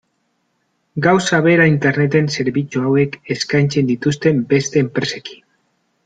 Gauza bera Interneten zerbitzu hauek eskaintzen dituzten beste enpresekin.